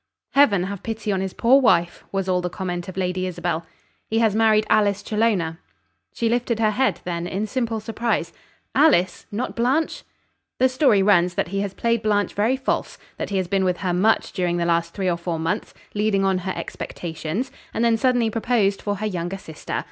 "Heaven have pity on his poor wife!" was all the comment of Lady Isabel. "He has married Alice Challoner." She lifted her head, then, in simple surprise. "Alice? Not Blanche?" "The story runs that he has played Blanche very false. That he has been with her much during the last three or four months, leading on her expectations; and then suddenly proposed for her younger sister.